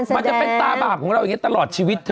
มันจะเป็นตาบาปของเราอย่างนี้ตลอดชีวิตเธอ